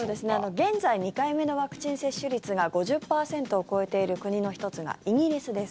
現在、２回目のワクチン接種率が５０％を超えている国の１つがイギリスです。